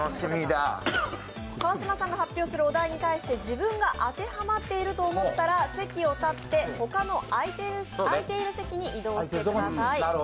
川島さんが発表するお題に対して、自分が当てはまっていると思ったら、席を立って、ほかの空いてる席に移動してください。